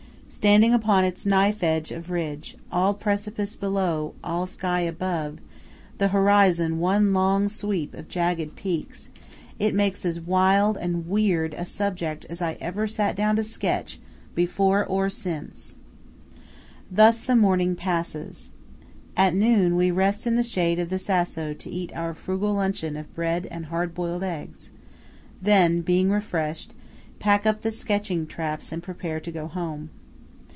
Standing upon its knife edge of ridge–all precipice below, all sky above, the horizon one long sweep of jagged peaks–it makes as wild and weird a subject as ever I sat down to sketch before or since! Thus the morning passes. At noon, we rest in the shade of the Sasso to eat our frugal luncheon of bread and hard boiled eggs; then, being refreshed, pack up the sketching traps and prepare to go home.